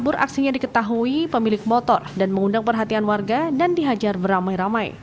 kabur aksinya diketahui pemilik motor dan mengundang perhatian warga dan dihajar beramai ramai